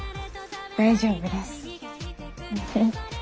大丈夫です。